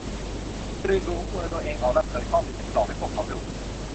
เธอดึงถุงมือตัวเองออกและเผยข้อมือที่ถลอกให้พวกเขาดู